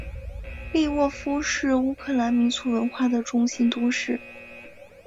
利沃夫是乌克兰民族文化的中心都市。